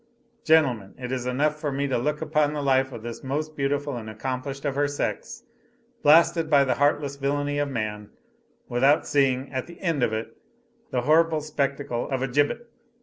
"Gentlemen; it is enough for me to look upon the life of this most beautiful and accomplished of her sex, blasted by the heartless villainy of man, without seeing, at the end of it; the horrible spectacle of a gibbet.